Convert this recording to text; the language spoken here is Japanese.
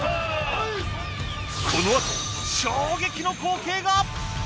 このあと衝撃の光景が！！